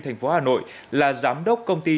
thành phố hà nội là giám đốc công ty